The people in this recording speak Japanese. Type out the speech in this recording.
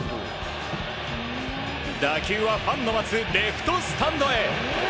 打球はファンの待つレフトスタンドへ。